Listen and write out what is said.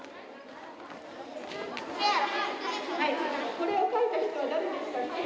これを書いた人は誰でしたっけ？